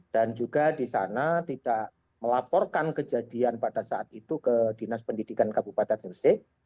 dan juga disana tidak melaporkan kejadian pada saat itu ke dinas pendidikan kabupaten nusik